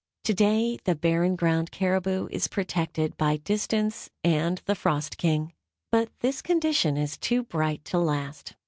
To day the Barren Ground caribou is protected by distance and the frost king. But this condition is too bright to last.